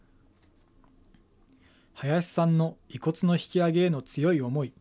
林さんの遺骨の引き揚げへの強い思い。